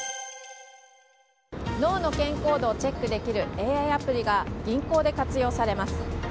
脳の健康度をチェックできるＡＩアプリが銀行で活用されます。